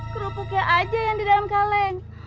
kerupuknya aja yang di dalam kaleng